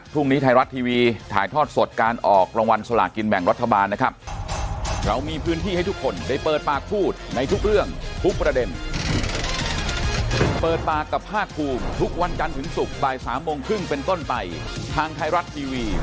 พรุ่งนี้ไทยรัฐทีวีถ่ายทอดสดการออกรางวัลสลากินแบ่งรัฐบาลนะครับ